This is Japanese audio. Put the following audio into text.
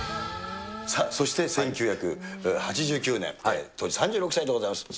さあ、そして１９８９年、当時３６歳でございます。